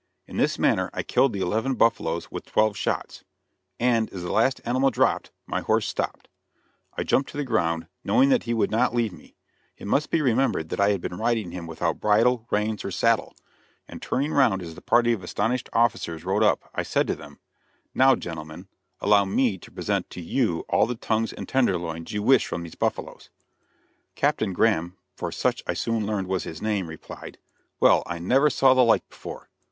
In this manner I killed the eleven buffaloes with twelve shots; and, as the last animal dropped, my horse stopped. I jumped to the ground, knowing that he would not leave me it must be remembered that I had been riding him without bridle, reins or saddle and turning round as the party of astonished officers rode up, I said to them: "Now, gentlemen, allow me to present to you all the tongues and tender loins you wish from these buffaloes." [Illustration: TONGUES AND TENDER LOINS.] Captain Graham, for such I soon learned was his name, replied: "Well, I never saw the like before.